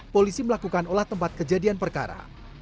polisi melakukan olah tempat kejadian perkara